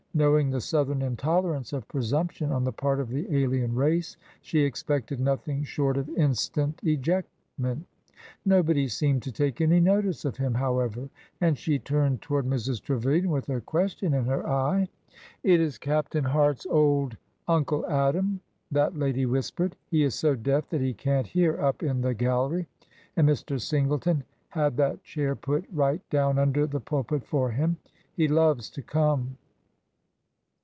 Knowing the Southern intolerance of presumption on the part of the alien race, she expected nothing short of instant ejectment. Nobody seemed to take any notice of him, however, and she turned toward Mrs. Trevilian with a question in her eye. It is Captain Hart's old Uncle Adam," that lady whis« pered. He is so deaf that he can't hear up in the gal lery, and Mr. Singleton had that chair put right down under the pulpit for him. He loves to come."